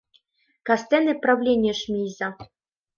— Кастене правленийыш мийза.